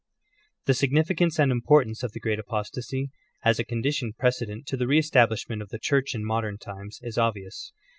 The significance and importance of the great apostasy, as a condition precedent to the re establishment of the Church in modern times, is obvious.